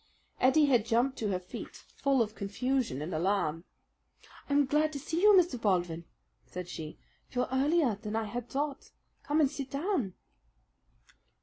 Ettie had jumped to her feet full of confusion and alarm. "I'm glad to see you, Mr. Baldwin," said she. "You're earlier than I had thought. Come and sit down."